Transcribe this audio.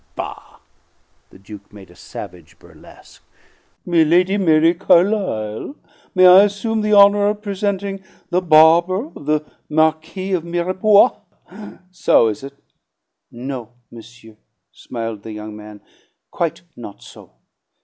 "Bah!" The Duke made a savage burlesque. "'Lady Mary Carlisle, may I assume the honor of presenting the barber of the Marquis de Mirepoix?' So, is it?" "No, monsieur," smiled the young man. "Quite not so.